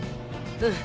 うん！